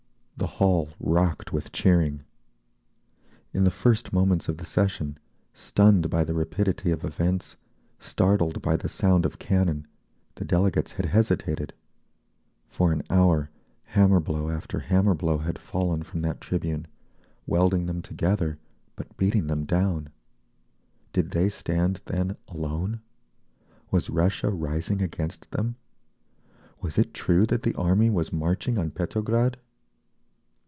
The hall rocked with cheering. In the first moments of the session, stunned by the rapidity of events, startled by the sound of cannon, the delegates had hesitated. For an hour hammer blow after hammer blow had fallen from that tribune, welding them together but beating them down. Did they stand then alone? Was Russia rising against them? Was it true that the Army was marching on Petrograd?